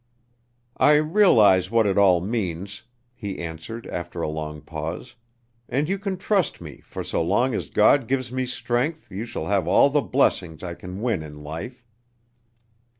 "I realize what it all means," he answered, after a long pause, "and you can trust me, for so long as God gives me strength you shall have all the blessings I can win in life."